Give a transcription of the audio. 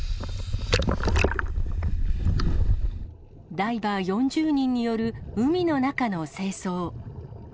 ダイバー４０人による海の中の清掃。